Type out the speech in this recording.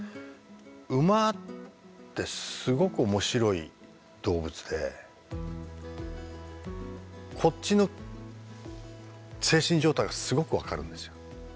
馬ってすごく面白い動物でこっちの精神状態がすごく分かるんですようん。